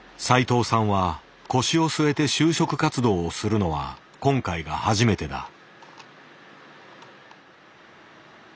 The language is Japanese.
斉藤さんは腰を据えて就職活動をするのは今回が初めてだ。